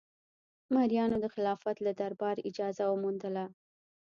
مریانو د خلافت له دربار اجازه وموندله.